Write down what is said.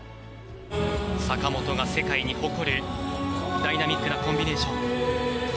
坂本が世界に誇るダイナミックなコンビネーション。